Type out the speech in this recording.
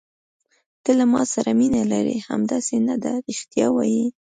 ته له ما سره مینه لرې، همداسې نه ده؟ رښتیا وایه.